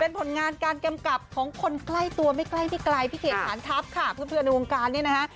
ผลงานการกำกับของคนใกล้ตัวไม่ใกล้ไม่ไกลพี่เกดฐานทัพค่ะเพื่อนในวงการเนี่ยนะฮะ